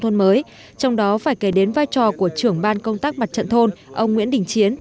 thôn mới trong đó phải kể đến vai trò của trưởng ban công tác mặt trận thôn ông nguyễn đình chiến